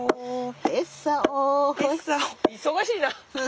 忙しいな！